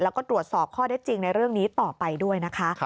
แล้วก็ตรวจสอบข้อได้จริงในเรื่องนี้ต่อไปด้วยนะคะ